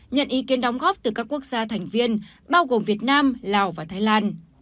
nhận ý kiến đóng góp từ các quốc gia thành viên bao gồm việt nam lào và thái lan